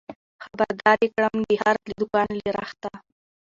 خبر دار يې کړم د هر دوکان له رخته